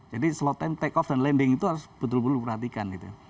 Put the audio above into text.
jadi slot time take off dan landing itu harus betul betul diperhatikan gitu